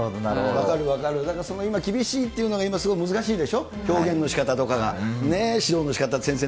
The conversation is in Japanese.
分かる分かる、今、厳しいっていうのが難しいでしょ、表現のしかたとか、ねぇ、指導のしかた、先生